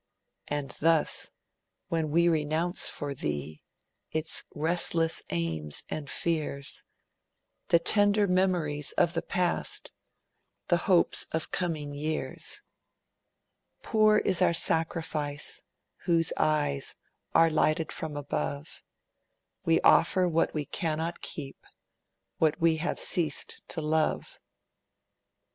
'And thus, when we renounce for Thee Its restless aims and fears, The tender memories of the past, The hopes of coming years, 'Poor is our sacrifice, whose eyes Are lighted from above; We offer what we cannot keep, What we have ceased to love.'